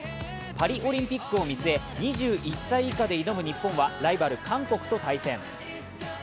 パリオリンピックを見据え、２１歳以下で挑む日本はライバル・韓国と対戦。